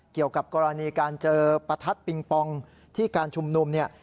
เกี่ยวกับกรณีการเจอประทัดปิงปองที่การชุมนุมเนี่ย